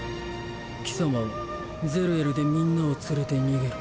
貴様はゼルエルでみんなを連れて逃げろ。